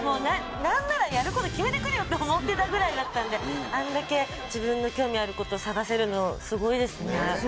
何なら。って思ってたぐらいだったんであんだけ自分の興味あることを探せるのすごいですね。